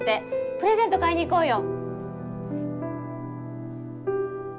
プレゼント買いに行こうよ。